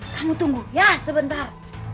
kamu tunggu ya sebentar